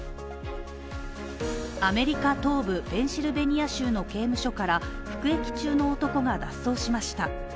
アメリカ東部ペンシルベニア州の刑務所から服役中の男が脱走しました。